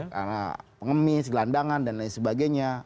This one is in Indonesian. karena pengemis gelandangan dan lain sebagainya